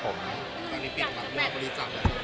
ตอนนี้ติดหรือปฏิจักรแล้วครับ